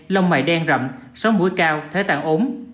lông mày đen rậm sóng mũi cao thế tạng ốm